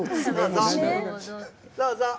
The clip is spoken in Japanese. どうぞ。